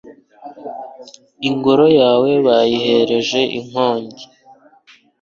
Ingoro yawe bayihereje inkongi